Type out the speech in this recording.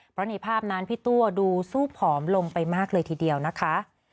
เพราะในภาพนั้นพี่ตัวดูสู้ผอมลงไปมากเลยทีเดียวนะคะ